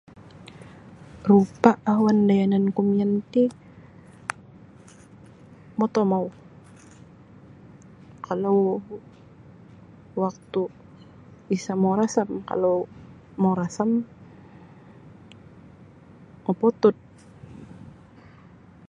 Rupa awan da yanan ku mian ti motomou kalau waktu isa mau rasam kalau mau rasam mapotud.